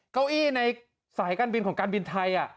เก้าอี้ในสายการบินของการบินไทย